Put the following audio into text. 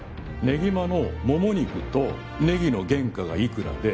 ねぎまのもも肉とネギの原価がいくらで。